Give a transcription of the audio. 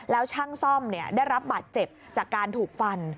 แล้วช่างซ่อมได้รับบาดเจ็บจากการถูกฟัน